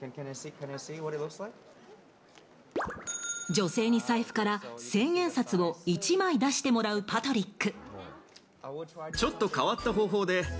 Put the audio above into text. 女性に財布から１０００円札を１枚出してもらうパトリック。